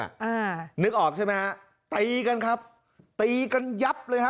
อ่านึกออกใช่ไหมฮะตีกันครับตีกันยับเลยฮะ